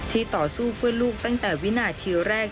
ต่อสู้เพื่อลูกตั้งแต่วินาทีแรก